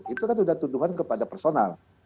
itu kan sudah tuduhan kepada personal